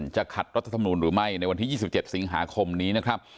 ขัดรัฐธรรมนูลหรือไม่ในวันที่๒๗สิงหาคมนี้นะครับ